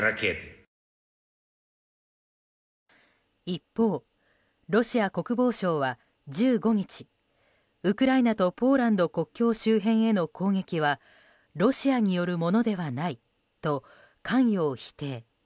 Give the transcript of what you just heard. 一方、ロシア国防省は１５日ウクライナとポーランド国境周辺への攻撃はロシアによるものではないと関与を否定。